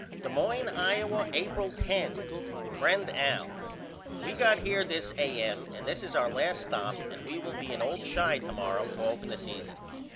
Des Moines, Iowa, April 10. FRIEND AL: We got here this A.M. and this is our last stop and we will be in old Chi to morrow to open the season.